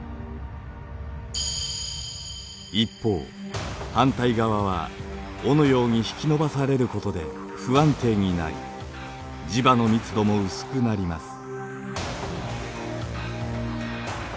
一方反対側は尾のように引き伸ばされることで不安定になり磁場の密度も薄くなります。